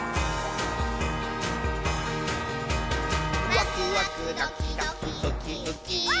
「ワクワクドキドキウキウキ」ウッキー。